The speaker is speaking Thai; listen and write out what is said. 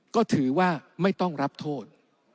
ก็ถือว่าไม่ต้องรับโทษ